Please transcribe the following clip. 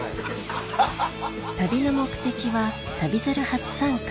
旅の目的は『旅猿』初参加